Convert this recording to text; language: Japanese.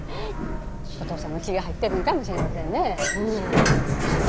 お父さんの血が入ってるんかもしれませんね。